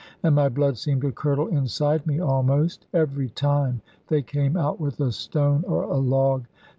And my blood seemed to curdle inside me almost, every time they came out with a stone or a log.